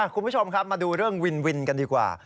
คุณผู้ชมครับมาดูเรื่องวินวินกันดีกว่า